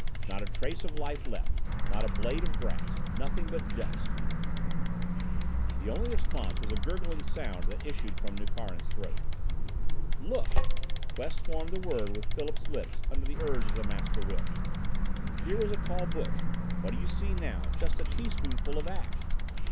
"Not a trace of life left, not a blade of grass nothing but dust!" The only response was a gurgling sound that issued from Nukharin's throat. "Look!" Quest formed the word with Philip's lips under the urge of the Master Will. "Here was a tall bush. What do you see now? Just a teaspoonful of ash.